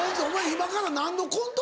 今から何のコント